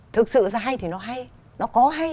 thực sự ra hay thì nó hay nó có hay